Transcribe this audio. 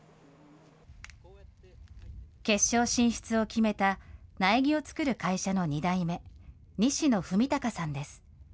決勝進出を決めた苗木を作る会社の２代目、西野文貴さんです。